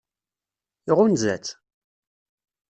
Iɣunza-tt?